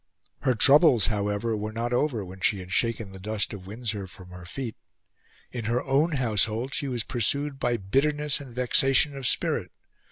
Her troubles, however, were not over when she had shaken the dust of Windsor from her feet. In her own household she was pursued by bitterness and vexation of spirit.